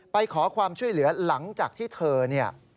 ไปขอความช่วยเหลือหลังจากที่เธอเนี่ย